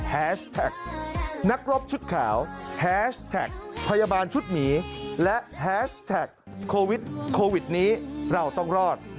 แท็กนักรบชุดขาวแท็กพยาบาลชุดหมีและแท็กโควิดโควิดนี้เราต้องรอด